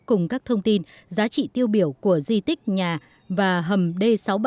cùng các thông tin giá trị tiêu biểu của di tích nhà và hầm d sáu mươi bảy